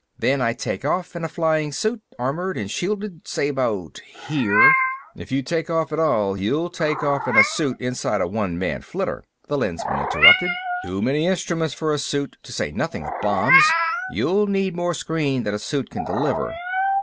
Then I take off in a flying suit, armored and shielded, say about here...." "If you take off at all, you'll take off in a suit, inside a one man flitter," the Lensman interrupted. "Too many instruments for a suit, to say nothing of bombs, and you'll need more screen than a suit can deliver.